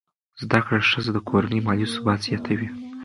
زده کړه ښځه د کورنۍ مالي ثبات زیاتوي.